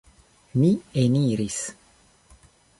Ni eniris.